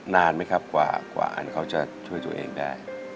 นานไหมครับกว่าอันเขาจะช่วยตัวเองได้